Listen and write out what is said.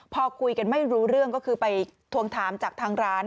พอคุยกันไม่รู้เรื่องก็คือไปทวงถามจากทางร้าน